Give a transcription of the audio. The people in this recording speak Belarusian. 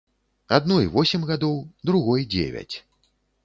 Адной восем гадоў, другой дзевяць.